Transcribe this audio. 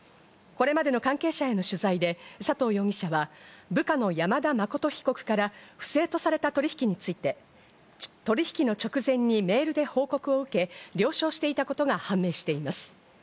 これまでの関係者への取材で佐藤容疑者は、部下の山田誠被告から不正とされた取引について、取引の直前にメールで報告を受け、了承していたことが判明しています。